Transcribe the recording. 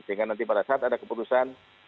sehingga nanti pada saat ada keputusan